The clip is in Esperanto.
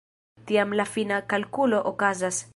Tiam la fina kalkulo okazas.